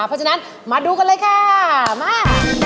เพราะฉะนั้นมาดูกันเลยค่ะมา